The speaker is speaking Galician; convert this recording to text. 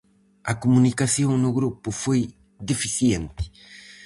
A comunicación no grupo foi deficiente.